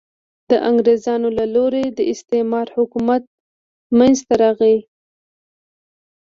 د انګرېزانو له لوري د استعمار حکومت منځته راغی.